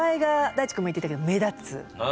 いちくんも言ってたけど目立つ。